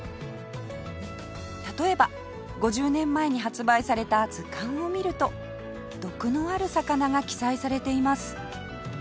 例えば５０年前に発売された図鑑を見ると毒のある魚が記載されています